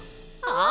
あ！